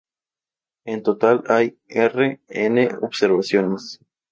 En total, hay "r n" observaciones.